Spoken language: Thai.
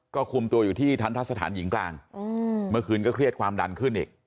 ก็คุมตัวอยู่ที่ทันทะสถานหญิงกลางเมื่อคืนก็เครียดความดันขึ้นอีก